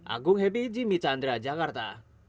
agung happy jimmy chandra jakarta